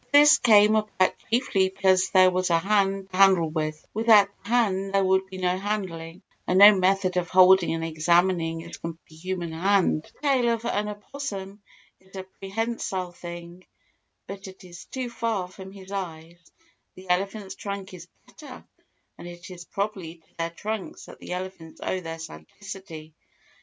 But this came about chiefly because there was a hand to handle with; without the hand there would be no handling; and no method of holding and examining is comparable to the human hand. The tail of an opossum is a prehensile thing, but it is too far from his eyes—the elephant's trunk is better, and it is probably to their trunks that the elephants owe their sagacity.